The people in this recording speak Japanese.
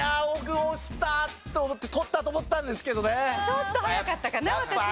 ちょっと早かったかな私ね。